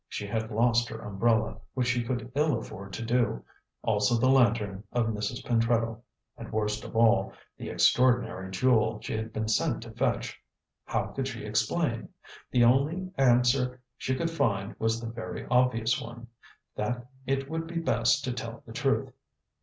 She had lost her umbrella, which she could ill afford to do; also the lantern of Mrs. Pentreddle, and, worst of all, the extraordinary jewel she had been sent to fetch. How could she explain? The only answer she could find was the very obvious one, that it would be best to tell the truth.